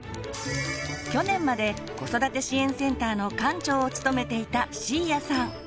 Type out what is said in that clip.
去年まで子育て支援センターの館長を務めていた椎谷さん。